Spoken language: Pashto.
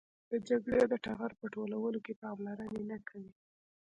د جګړې د ټغر په ټولولو کې پاملرنه نه کوي.